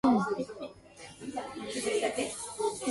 This chapter is about Endocrine, nutritional and metabolic diseases.